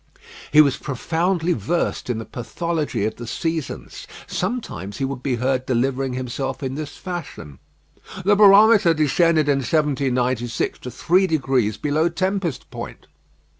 He was profoundly versed in the pathology of the seasons. Sometimes he would be heard delivering himself in this fashion "The barometer descended in 1796 to three degrees below tempest point."